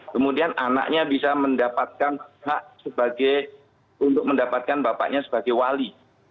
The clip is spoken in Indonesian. kemudian anaknya bisa mendapatkan hak untuk mendapatkan bapaknya sebagai wali